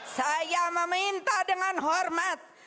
saya meminta dengan hormat